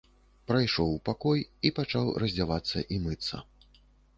Прайшоў у пакой і пачаў раздзявацца і мыцца.